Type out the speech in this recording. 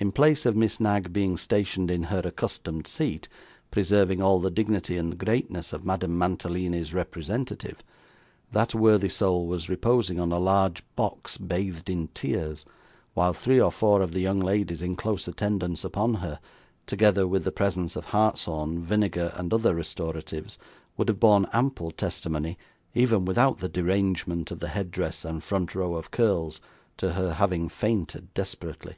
In place of Miss Knag being stationed in her accustomed seat, preserving all the dignity and greatness of Madame Mantalini's representative, that worthy soul was reposing on a large box, bathed in tears, while three or four of the young ladies in close attendance upon her, together with the presence of hartshorn, vinegar, and other restoratives, would have borne ample testimony, even without the derangement of the head dress and front row of curls, to her having fainted desperately.